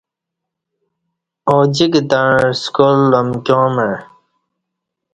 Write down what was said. اوجِک تعں سکال امکیاں مع